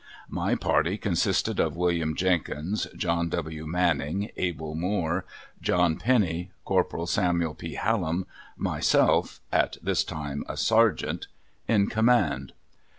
My party consisted of William Jenkins, John W. Manning, Abel Moore, John Penny, Corporal Samuel P. Hallam, myself (at this time a sergeant) in command.